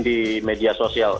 di media sosialnya